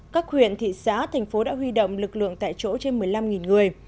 các huyện thị xã thành phố đã huy động lực lượng tại chỗ trên một mươi năm người